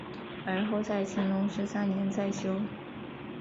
而后在乾隆十三年再修。